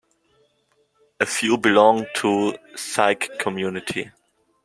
A few belong to Sikh community.